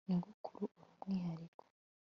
nyogokuru uri umwihariko